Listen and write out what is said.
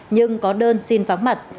nhưng có đơn xin vắng mặt